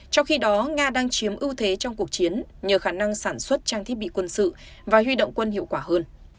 trong khi đó nga đang chiếm ưu thế trong cuộc chiến nhờ khả năng sản xuất trang thiết bị quân sự và huy động quân hiệu quả hơn